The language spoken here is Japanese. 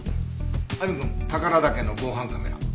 亜美くん宝良岳の防犯カメラ。